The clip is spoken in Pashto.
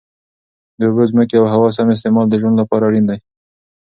د اوبو، ځمکې او هوا سم استعمال د ژوند لپاره اړین دی.